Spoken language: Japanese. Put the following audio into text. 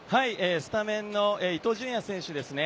スタメンの伊東純也選手です。